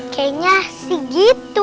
kayaknya sih gitu